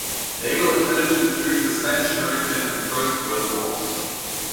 Naval Intelligence during the Spanish-American and First World Wars.